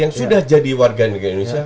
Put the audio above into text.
yang sudah jadi warga negara indonesia